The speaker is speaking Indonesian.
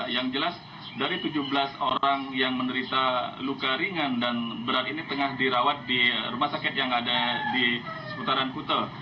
yang jelas dari tujuh belas orang yang menderita luka ringan dan berat ini tengah dirawat di rumah sakit yang ada di seputaran kutel